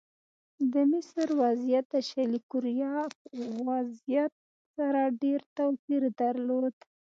د مصر وضعیت د شلي کوریا وضعیت سره ډېر توپیر درلود.